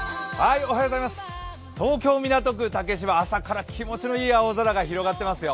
東京・港区竹芝、朝から気持ちのいい青空が広がっていますよ。